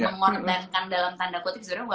mengorbankan dalam tanda kutip sebenarnya